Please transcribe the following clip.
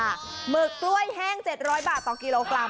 หมึกกล้วยแห้ง๗๐๐บาทต่อกิโลกรัม